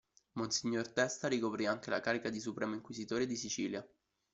Monsignor Testa ricoprì anche la carica di Supremo Inquisitore di Sicilia.